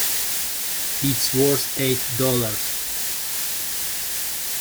It's worth eight dollars.